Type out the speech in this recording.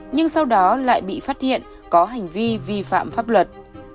nhưng sau đó lại bị phát hiện có hành vi vi phạm pháp luật